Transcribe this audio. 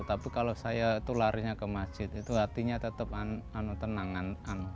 tapi kalau saya larinya ke masjid hatinya tetap tenangan